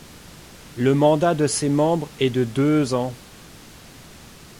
Le mandat de ces membres est de deux ans.